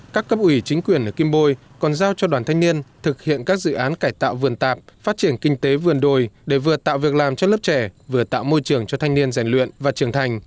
các cấp ủy chính quyền ở kim bôi còn giao cho đoàn thanh niên thực hiện các dự án cải tạo vườn tạp phát triển kinh tế vườn đồi để vừa tạo việc làm cho lớp trẻ vừa tạo môi trường cho thanh niên rèn luyện và trưởng thành